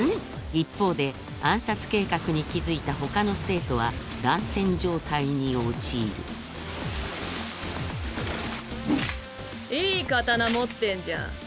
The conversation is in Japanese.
一方で暗殺計画に気付いたほかの生徒は乱戦状態に陥るいい刀持ってんじゃん。